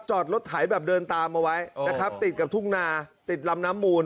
จอดรถไถแบบเดินตามเอาไว้นะครับติดกับทุ่งนาติดลำน้ำมูล